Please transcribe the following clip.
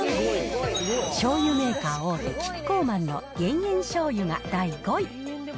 醤油メーカー大手、キッコーマンの減塩しょうゆが第５位。